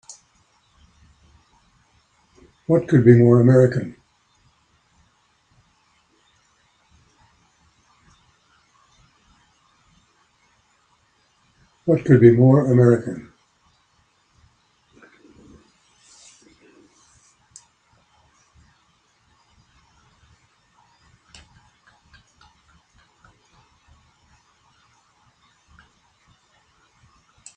What could be more American!